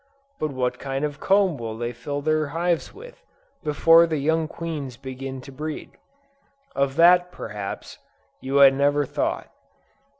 But what kind of comb will they fill their hives with, before the young queen begins to breed? Of that, perhaps, you had never thought.